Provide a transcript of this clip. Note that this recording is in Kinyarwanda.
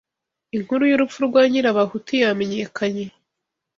Inkuru y’urupfu rwa Nyirabahutu yamenyekanye